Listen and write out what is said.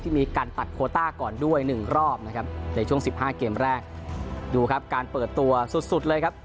มีการตัดโคต้าก่อนด้วยหนึ่งรอบนะครับในช่วงสิบห้าเกมแรกดูครับการเปิดตัวสุดสุดเลยครับ